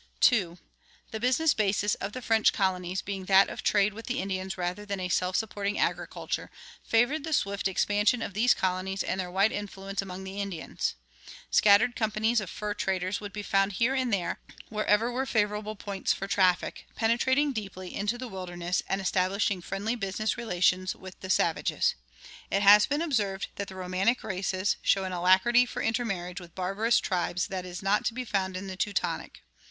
2. The business basis of the French colonies, being that of trade with the Indians rather than a self supporting agriculture, favored the swift expansion of these colonies and their wide influence among the Indians. Scattered companies of fur traders would be found here and there, wherever were favorable points for traffic, penetrating deeply into the wilderness and establishing friendly business relations with the savages. It has been observed that the Romanic races show an alacrity for intermarriage with barbarous tribes that is not to be found in the Teutonic.